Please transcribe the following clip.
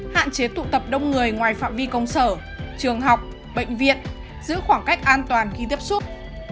hạn chế tụ tập đông người ngoài phạm vi công sở trường học bệnh viện giữ khoảng cách an toàn khi tiếp xúc